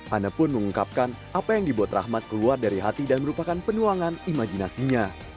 ana pun mengungkapkan apa yang dibuat rahmat keluar dari hati dan merupakan penuangan imajinasinya